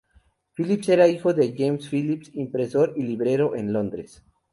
Phillips era hijo de James Phillips, impresor y librero en Londres.